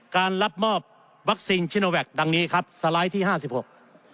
รับมอบวัคซีนชิโนแวคดังนี้ครับสไลด์ที่ห้าสิบหก